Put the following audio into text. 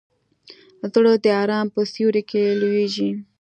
زړه د ارام په سیوري کې لویېږي.